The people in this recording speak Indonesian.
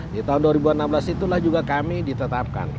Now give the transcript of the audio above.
di tahun dua ribu enam belas itulah juga kami ditetapkan